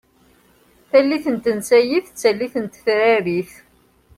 Tallit n tensayit d tallit n tetrarit.